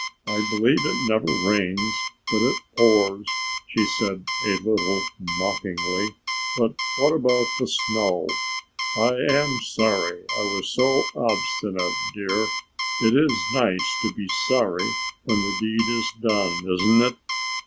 "I believe it never rains but it pours," she said a little mockingly; "but what about the snow? I am sorry I was so obstinate, dear. It is nice to be sorry when the deed is done, isn't it?